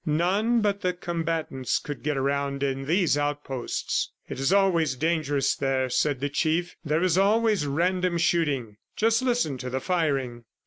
None but the combatants could get around in these outposts. "It is always dangerous there," said the Chief. "There is always random shooting. ... Just listen to the firing!"